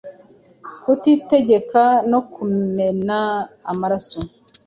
kutitegeka no kumena amaraso ;